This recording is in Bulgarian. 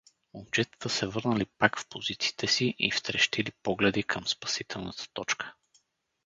Момчетата се върнали пак в позициите си и втрещили погледи към спасителната точка.